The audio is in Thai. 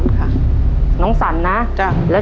ขอบคุณครับ